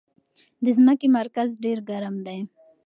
د ځمکې مرکز ډېر ګرم دی.